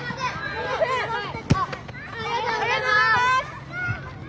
ありがとうございます！